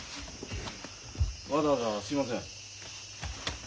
わざわざすいません。